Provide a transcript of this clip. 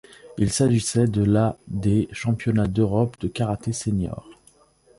Il s'agissait de la des championnats d'Europe de karaté senior.